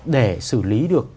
để xử lý được